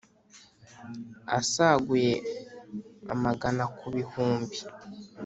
asaguye amagana ku bihumbi